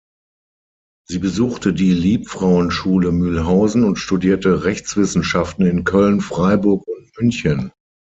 Sie besuchte die Liebfrauenschule Mülhausen und studierte Rechtswissenschaften in Köln, Freiburg und München.